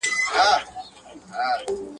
تر مازي گټي، تُرت تاوان ښه دئ.